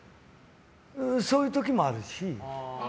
そういう時もあるし。